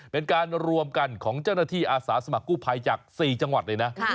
เป็นการรวมกันของเจ้าหน้าที่อาสาสมัครกู้ภัยจาก๔จังหวัดเลยนะ